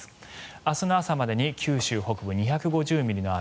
明日の朝までに九州北部、２５０ミリの雨。